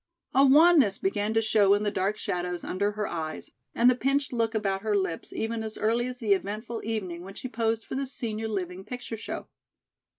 A wanness began to show in the dark shadows under her eyes and the pinched look about her lips even as early as the eventful evening when she posed for the senior living picture show.